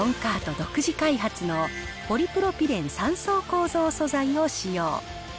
独自開発のポリプロピレン３層構造素材を使用。